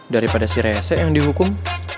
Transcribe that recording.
daripada si rese yang dihukum